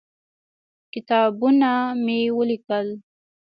کتابونه مې ولیکل.